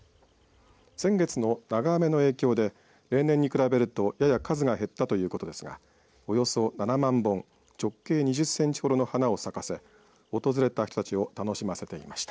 先月の長雨の影響で例年に比べるとやや数が減ったということですがおよそ７万本直径２０センチほどの花を咲かせ訪れた人たちを楽しませていました。